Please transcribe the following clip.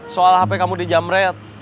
soal hp kamu di jamret